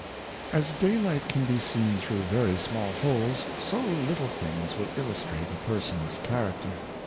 As daylight can be seen through very small holes, so little things will illustrate a person's character.